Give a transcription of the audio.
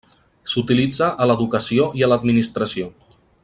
S'utilitza a l'educació i a l'administració.